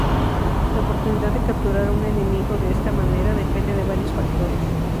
La oportunidad de capturar a un enemigo de esta manera depende de varios factores.